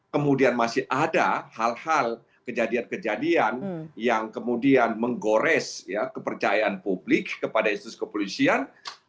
kemudian masih ada hal hal kejadian kejadian yang kemudian menggores kepercayaan publik kepada institusi kepolisian